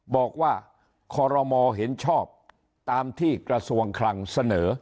บอกว่าคอรมอเห็นชอบตามที่กระทรวงคลังเสนอ